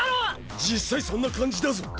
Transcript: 実際そんな感じだぞ。